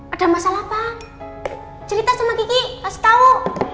ada masalah apa cerita sama kiki kasih tau